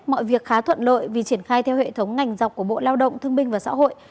mọi việc khá thuận lợi vì triển khai theo hệ thống ngành dọc của bộ lao động thương minh và xã hội